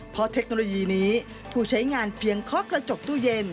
เพราะเทคโนโลยีนี้ผู้ใช้งานเพียงเคาะกระจกตู้เย็น